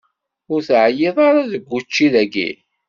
Ur teεyiḍ ara seg učči dayi?